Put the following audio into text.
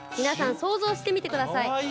皆さん想像してみてください。